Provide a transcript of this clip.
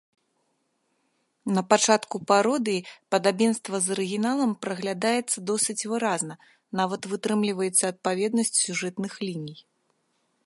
Напачатку пародыі падабенства з арыгіналам праглядаецца досыць выразна, нават вытрымліваецца адпаведнасць сюжэтных ліній.